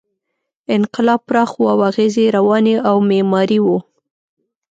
انقلاب پراخ و او اغېز یې رواني او معماري و.